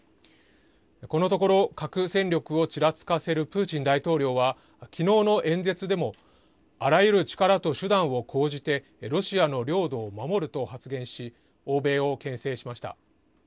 このところ、核戦力をちらつかせるプーチン大統領は、きのうの演説でも、あらゆる力と手段を講じて、ロシアの領土を守ると発言し、欧米をけん制しました。